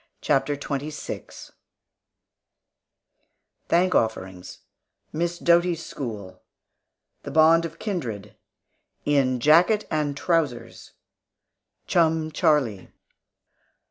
CHAPTER XXVI THANK OFFERINGS MISS DOTY'S SCHOOL THE BOND OF KINDRED IN JACKET AND TROUSERS CHUM CHARLIE.